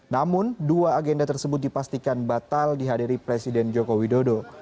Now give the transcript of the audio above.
namun dua agenda tersebut dipastikan batal dihadiri presiden joko widodo